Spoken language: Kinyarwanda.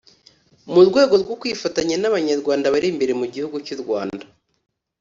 mu rwego rwo kwifatanya n’Abanyarwanda bari imbere mu gihugu cy’u Rwanda